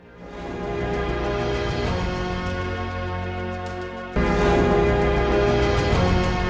pertani dan peternak